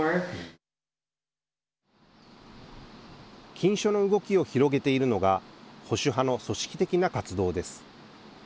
禁書の動きを広げているのが保守派の組織的な活動です。